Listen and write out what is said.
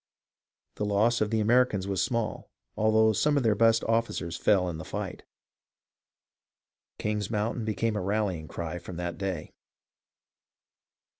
The loss of the Americans was small, although some of their best officers fell in the fight. King's Moun tain became a rallying cry from that day.